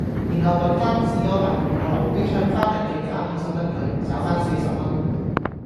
然後搵間士多買罐可樂，比唱翻黎既假五十蚊佢，找番四十蚊